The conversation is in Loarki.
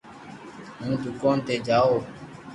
ھون دوڪون تو جاو